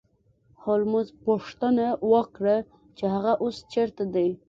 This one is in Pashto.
هولمز پوښتنه وکړه چې هغه اوس چیرته دی